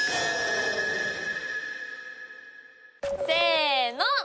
せの。